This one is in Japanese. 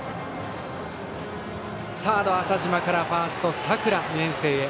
サード、浅嶋からファーストの佐倉、２年生へ。